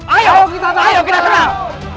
ayo kita tangkap sebarah